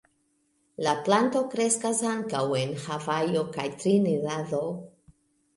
La planto kreskas ankaŭ en Havajo kaj Trinidado.